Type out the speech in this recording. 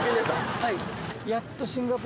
はい。